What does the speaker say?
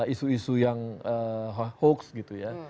isu isu yang hoax gitu ya